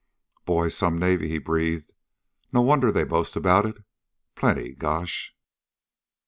"Boy, some navy!" he breathed. "No wonder they boast about it, plenty. Gosh!